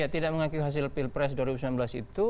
tidak mengakui hasil pilpres dua ribu sembilan belas itu